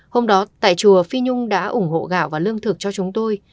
hôm đó tại chùa phi nhung đã ủng hộ gạo và lương thực cho chúng tôi